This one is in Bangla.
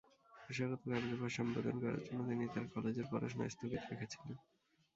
পেশাগত কার্যভার সম্পাদন করার জন্য তিনি তার কলেজের পড়াশোনা স্থগিত রেখেছিলেন।